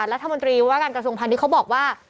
ท่ามนตรีว่าการกระทรวงภัณฑ์นี้เขาบอกว่า